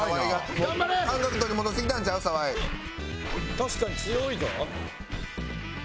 確かに強いぞ。